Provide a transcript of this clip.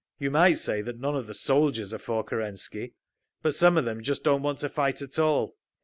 You might say that none of the soldiers are for Kerensky; but some of them just don't want to fight at all.